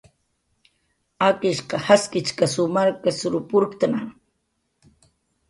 Akishq jaskichkasw markasrw purktna